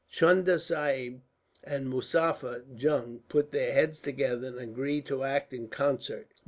"Chunda Sahib and Muzaffar Jung put their heads together, and agreed to act in concert.